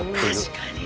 確かに。